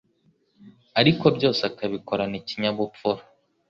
ariko byose akabikorana ikinyabupfura